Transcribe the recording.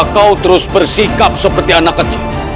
kau terus bersikap seperti anak kecil